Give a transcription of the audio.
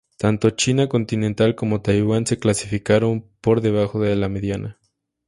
Tanto China continental como Taiwán se clasificaron por debajo de la mediana.